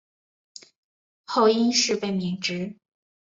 后因事被免职。